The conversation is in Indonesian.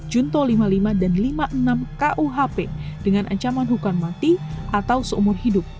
junto lima puluh lima dan lima puluh enam kuhp dengan ancaman hukuman mati atau seumur hidup